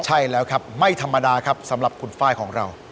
ใช่แล้วครับไม่ธรรมดาครับสำหรับคุณไฟล์ของเรา